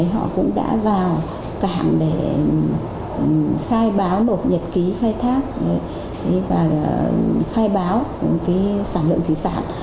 họ cũng đã vào cảng để khai báo nộp nhật ký khai thác và khai báo sản lượng thủy sản